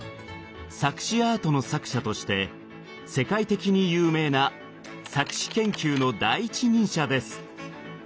錯視アートの作者として世界的に有名な錯視研究の第一人者です。